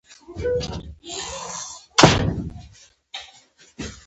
کنجد په نانوايۍ کې کارول کیږي.